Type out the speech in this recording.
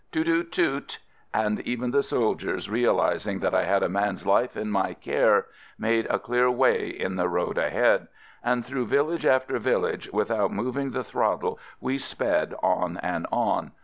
Toot ! toot ! toot !— and even the soldiers, realizing that I had a man's life in my care, made a clear way in the road ahead — and through village after village, with out moving the throttle, we sped on and on.